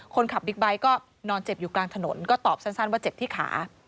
บิ๊กไบท์ก็นอนเจ็บอยู่กลางถนนก็ตอบสั้นว่าเจ็บที่ขา